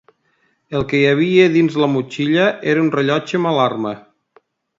El que hi havia dins la motxilla era un rellotge amb alarma.